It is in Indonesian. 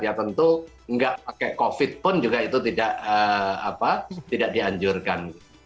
ya tentu nggak pakai covid pun juga itu tidak dianjurkan